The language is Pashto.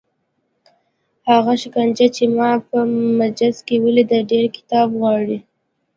هغه شکنجه چې ما په محبس کې ولیده ډېر کتاب غواړي.